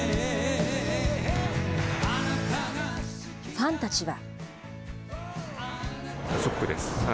ファンたちは。